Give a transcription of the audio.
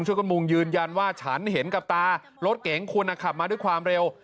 ช่วยกันมุงยืนยันว่าฉันเห็นกับตารถเก๋งคุณขับมาด้วยความเร็ว